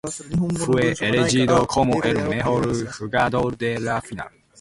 Fue elegido como el mejor jugador de la final.